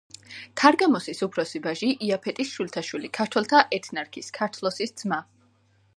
თარგამოსის უფროსი ვაჟი, იაფეტის შვილთაშვილი, ქართველთა ეთნარქის, ქართლოსის ძმა.